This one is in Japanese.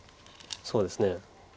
そうですね。